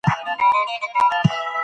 موږ باید یو بل ونه غولوو.